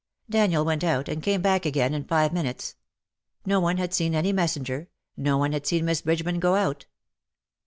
'^ Daniel went out, and came back again in five minutes. No one had seen any messenger — no one had seen Miss Bridgeman go out.